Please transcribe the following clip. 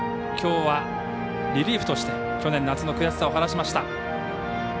きょうはリリーフとして去年、夏の悔しさを晴らしました。